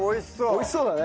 美味しそうだね。